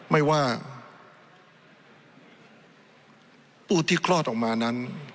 ไม่ว่าผู้ที่คลอดออกมานั้น